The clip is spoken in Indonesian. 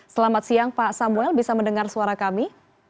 selamat siang pak samuel bisa mendengar suara kami